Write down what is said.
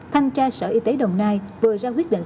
thanh tra sở y tế đồng nai vừa ra quyết định